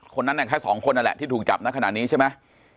คนนั้นแค่สองคนนั่นแหละที่ถูกจับนะขณะนี้ใช่ไหม